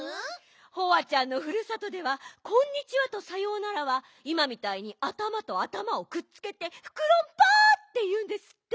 ホワちゃんのふるさとでは「こんにちは」と「さようなら」はいまみたいにあたまとあたまをくっつけて「フクロンパ！」っていうんですって。